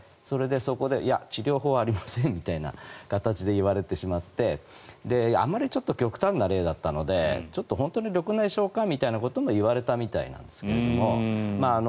そこで、いや、治療法はありませんという形で言われてしまってあまり極端な例だったので緑内障なのかみたいなことも言われたみたいなんですが。